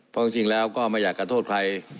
เพราะจริงแล้วก็ไม่อยากจะโทษใคร